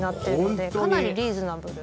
ホントにかなりリーズナブル